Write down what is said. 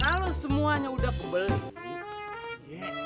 kalau semuanya udah pebeli